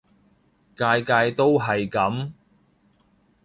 屆屆都係噉